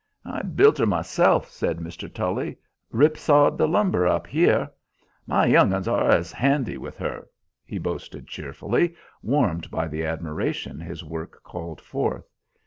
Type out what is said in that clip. "I built her myself," said Mr. Tully; "rip sawed the lumber up here. My young ones are as handy with her!" he boasted cheerfully, warmed by the admiration his work called forth.